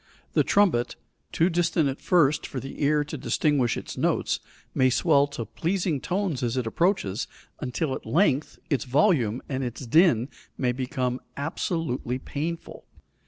The trumpet too distant at first for the ear to distinguish its notes, may swell to pleasing tones as it approaches, until at length its volume and its din may become absolutely painful.